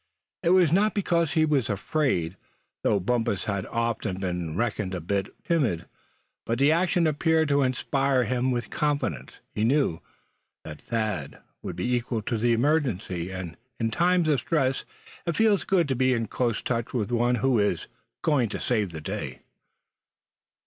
It was not because he was afraid, though Bumpus had often been reckoned a bit timid; but the action appeared to inspire him with confidence. He knew that Thad would be equal to the emergency. And in times of stress it feels good to be in close touch with one who is going to save the day.